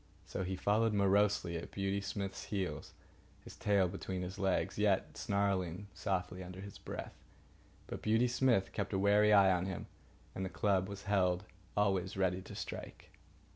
So he followed morosely at Beauty Smith's heels, his tail between his legs, yet snarling softly under his breath. But Beauty Smith kept a wary eye on him, and the club was held always ready to strike.